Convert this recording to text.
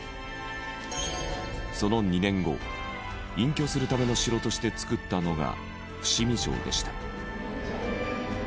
その２年後隠居するための城として造ったのが伏見城でした。